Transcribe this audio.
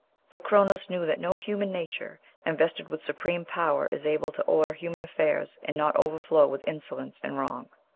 for Cronos knew that no human nature, invested with supreme power, is able to order human affairs and not overflow with insolence and wrong."